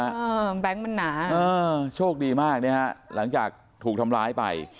แบงค์มันหนาเออโชคดีมากเนี่ยฮะหลังจากถูกทำร้ายไป